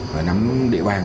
và nắm địa bàn